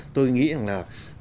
tôi nghĩ là